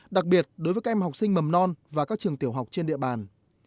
đặc biệt đối với các em học sinh mầm non và các trường tiểu học trên địa bàn